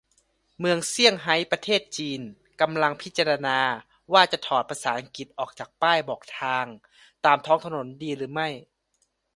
เมืองเซี่ยงไฮ้ ประเทศจีน กำลังพิจารณาว่า จะถอดภาษาอังกฤษออกจากป้ายบอกทางตามท้องถนนดีหรือไม่